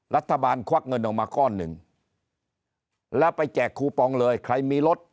ควักเงินออกมาก้อนหนึ่งแล้วไปแจกคูปองเลยใครมีรถ